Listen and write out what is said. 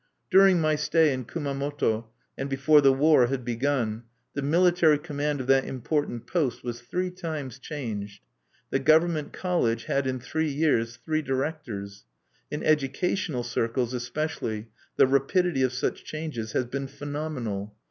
During my stay at Kumamoto, and before the war had begun, the military command of that important post was three times changed. The government college had in three years three directors. In educational circles, especially, the rapidity of such changes has been phenomenal.